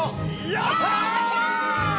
よっしゃ！